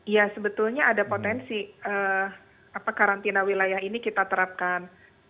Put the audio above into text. ya sebetulnya ada potensi karantina wilayah ini kita terapkan